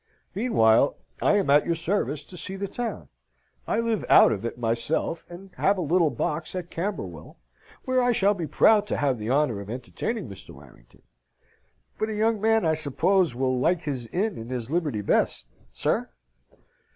Meanwhile, I am at your service to see the town. I live out of it myself, and have a little box at Camberwell, where I shall be proud to have the honour of entertaining Mr. Warrington; but a young man, I suppose, will like his inn and his liberty best, sir?"